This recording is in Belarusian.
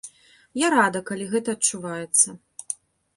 Я рада, калі гэта адчуваецца.